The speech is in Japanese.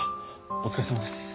お疲れさまです。